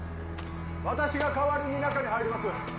私が代わりに中に入ります